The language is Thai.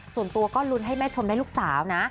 ส่วนตัวก็ลุ้นให้แม่ชมได้ลูกสาวนะ